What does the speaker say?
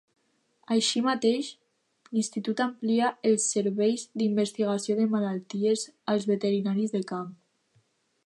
Així mateix, l'Institut amplia els serveis d'investigació de malalties als veterinaris de camp.